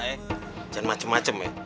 jangan macem macem ya